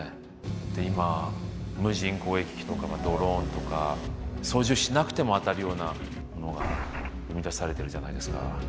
で今無人攻撃機とかドローンとか操縦しなくても当たるようなものが生み出されてるじゃないですか。